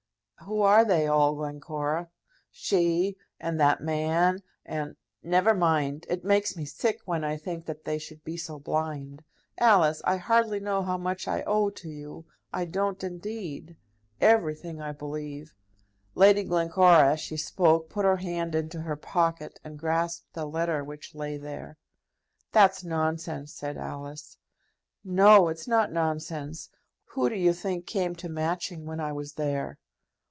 "Who are they all, Glencora?" "She and that man, and . Never mind. It makes me sick when I think that they should be so blind. Alice, I hardly know how much I owe to you; I don't, indeed. Everything, I believe." Lady Glencora, as she spoke, put her hand into her pocket, and grasped the letter which lay there. "That's nonsense," said Alice. "No; it's not nonsense. Who do you think came to Matching when I was there?"